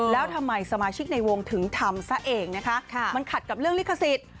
แล้วทำไมสมาชิกในวงถึงทำซะเองนะคะมันขัดกับเรื่องลิขสิทธิ์